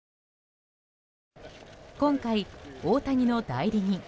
今回、大谷の代理人